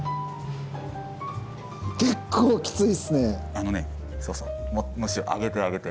あのねそうそう上げて上げて。